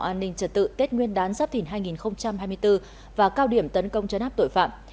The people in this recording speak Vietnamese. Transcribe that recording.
an ninh trật tự tết nguyên đán giáp thìn hai nghìn hai mươi bốn và cao điểm tấn công chấn áp tội phạm